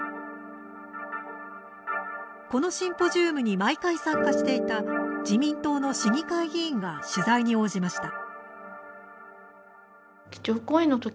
このシンポジウムに毎回参加していた自民党の市議会議員が取材に応じました。